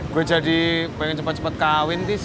gue jadi pengen cepet cepet kawin tis